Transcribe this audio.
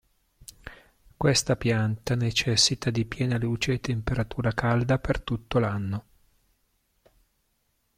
Questa pianta necessita di piena luce e temperatura calda per tutto l'anno.